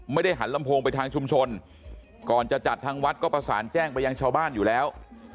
ไม่ได้หันลำโพงไปทางชุมชนก่อนจะจัดทางวัดก็ประสานแจ้งไปยังชาวบ้านอยู่แล้ว